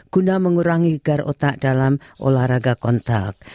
guna mengurangi garotak dalam olahraga kontak